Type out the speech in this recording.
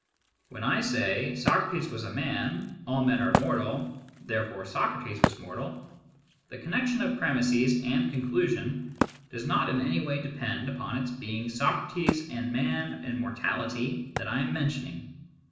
When I say, " Socrates was a man, all men are mortal, therefore Socrates was mortal," the connection of premisses and conclusion does not in any way depend upon its being Socrates and man and mortality that I am mentioning.